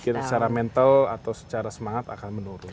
secara mental atau secara semangat akan menurun